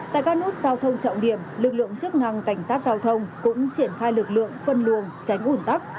tại các nút giao thông trọng điểm lực lượng chức năng cảnh sát giao thông cũng triển khai lực lượng phân luồng tránh ủn tắc